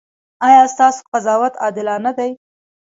ایا ستاسو قضاوت عادلانه دی؟